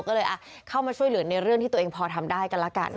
ก็เลยเข้ามาช่วยเหลือในเรื่องที่ตัวเองพอทำได้กันละกัน